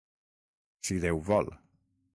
Si Déu vol.